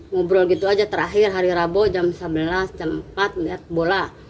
ngobrol gitu aja terakhir hari rabu jam sebelas jam empat lihat bola